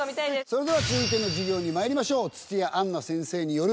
それでは続いての授業にまいりましょう。